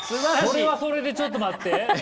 それはそれでちょっと待って。